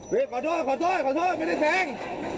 เฮ้ยขอโทษไม่ได้แทง